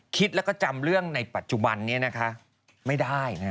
คิดและจำเรื่องในปัจจุบันไม่ได้